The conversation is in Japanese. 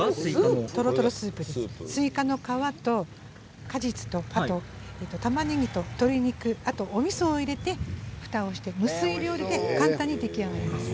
スイカの皮と果実とたまねぎと鶏肉おみそを入れて、ふたをして無水料理で簡単に出来上がります。